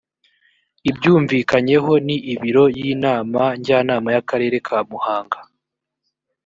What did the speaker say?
ibyumvikanyeho ni ibiro y inama njyanama yakarere ka muhanga